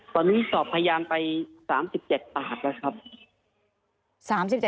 ตอนนี้สอบพยานไป๓๗ปากแล้วครับ